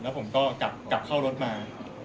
แล้วผมก็กลับเข้ารถมา